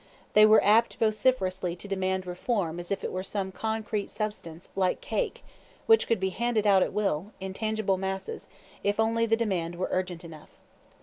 They were apt vociferously to demand "reform" as if it were some concrete substance, like cake, which could be handed out at will, in tangible masses, if only the demand were urgent enough.